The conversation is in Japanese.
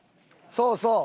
そうそう。